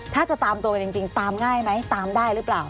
ถ้าจะตามตัวกันจริงตามง่ายไหมตามได้หรือเปล่า